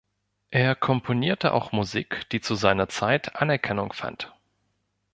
Er komponierte auch Musik, die zu seiner Zeit Anerkennung fand.